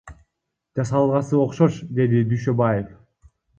Жасалгасы окшош, — деди Дүйшөбаев.